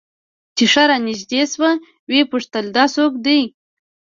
چې ښه رانژدې سوه ويې پوښتل دا څوک دى.